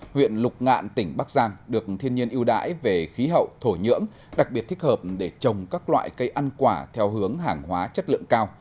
huyện lục ngạn tỉnh bắc giang được thiên nhiên yêu đái về khí hậu thổ nhưỡng đặc biệt thích hợp để trồng các loại cây ăn quả theo hướng hàng hóa chất lượng cao